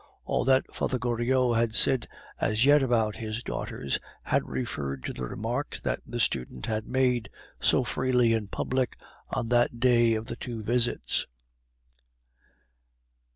All that Father Goriot had said as yet about his daughters had referred to the remarks that the student had made so freely in public on that day of the two visits.